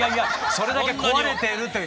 それだけ請われてるという。